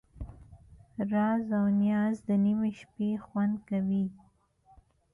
راز او نیاز د نیمې شپې خوند کوي.